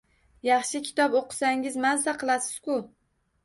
Yaxshi kitob o‘qisangiz mazza qilasiz-ku!